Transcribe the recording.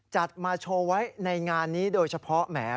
จัดมาโชว์ไว้ในงานนี้โดยเฉพาะแหม